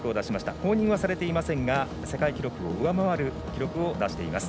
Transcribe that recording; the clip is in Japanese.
公認はされていませんが世界記録を上回る記録を出しています。